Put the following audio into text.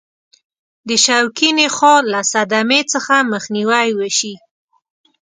د شوکي نخاع له صدمې څخه مخنیوي وشي.